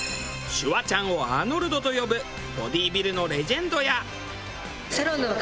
シュワちゃんをアーノルドと呼ぶボディビルのレジェンドや。